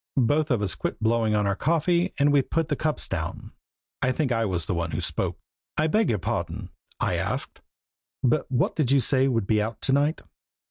Both of us quit blowing on our coffee and we put the cups down. I think I was the one who spoke. "I beg your pardon," I asked, "but what did you say would be out to night?"